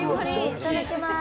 いただきまーす！